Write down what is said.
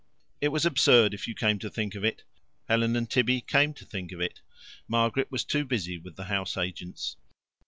It was absurd, if you came to think of it; Helen and Tibby came to think of it: Margaret was too busy with the house agents.